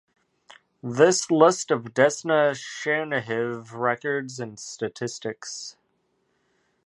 This List of Desna Chernihiv records and statistics.